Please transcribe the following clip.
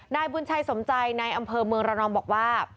นายบุญชัยสมใจในอำเภอเมืองระนองบอกว่า